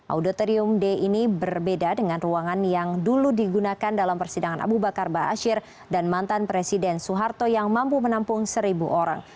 auditorium d ini berbeda dengan ruangan yang dulu digunakan dalam persidangan abu bakar ⁇ baasyir ⁇ dan mantan presiden soeharto yang mampu menampung seribu orang